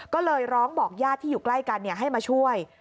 ก็เลยร้องบอกญาติที่อยู่ใกล้กันให้มาช่วย